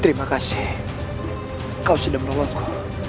terima kasih kau sudah merogongku